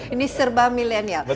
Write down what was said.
ini serba milenial